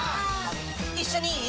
一緒にいい？